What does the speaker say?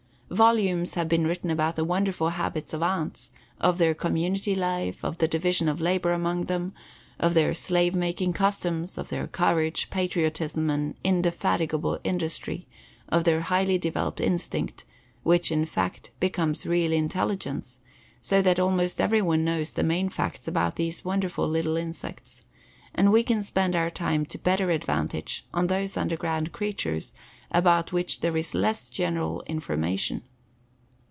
Volumes have been written about the wonderful habits of ants, of their community life, of the division of labor among them, of their slave making customs, of their courage, patriotism, and indefatigable industry, of their highly developed instinct, which, in fact, becomes real intelligence; so that almost everyone knows the main facts about these wonderful little insects, and we can spend our time to better advantage on those underground creatures about which there is less general information.